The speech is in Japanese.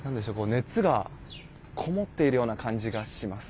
熱がこもっているような感じがします。